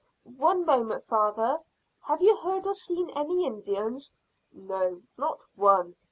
"One moment, father. Have you heard or seen any Indians?" "No, not one.